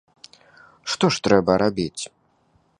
Што ж трэба рабіць?